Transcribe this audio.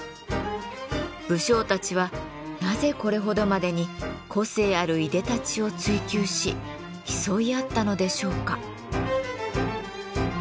武将たちはなぜこれほどまでに個性あるいでたちを追求し競い合ったのでしょうか？